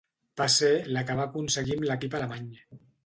Va ser la que va aconseguir amb l'equip alemany.